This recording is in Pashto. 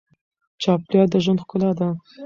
چاپېریال د ژوند ښکلا ده.